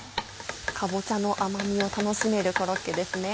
かぼちゃの甘みを楽しめるコロッケですね。